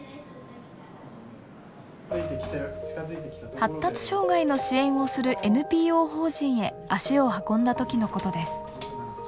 発達障害の支援をするＮＰＯ法人へ足を運んだ時のことです。